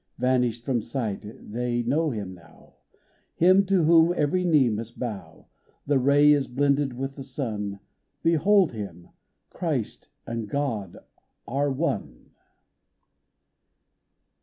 Vanished from sight — they know Him now, Him to whom every knee must bow. The ray is blended with the sun : Behold Him ! Christ and God are one